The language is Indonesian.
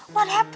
apa yang terjadi